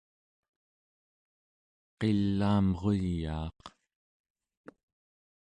qilaamruyaaq